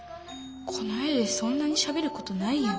この絵でそんなにしゃべることないよ。